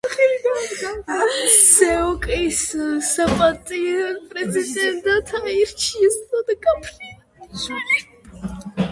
სეოკ-ის საპატიო პრეზიდენტად აირჩიეს ნონა გაფრინდაშვილი.